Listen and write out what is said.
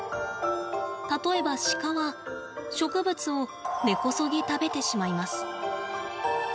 例えばシカは植物を根こそぎ食べてしまいます。